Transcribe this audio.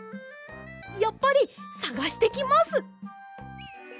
やっぱりさがしてきます！